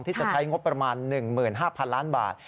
จะใช้งบประมาณ๑๕๐๐๐ล้านบาท